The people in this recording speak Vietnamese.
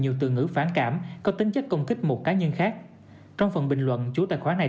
nhiều từ ngữ phản cảm có tính chất công kích một cá nhân khác trong phần bình luận chủ tài khoản này